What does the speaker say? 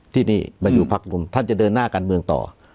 ที่นี่มาอยู่พักหนึ่งท่านจะเดินหน้าการเมืองต่อ